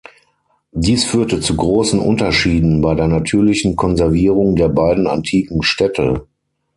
Dies führte zu großen Unterschieden bei der natürlichen Konservierung der beiden antiken Städte.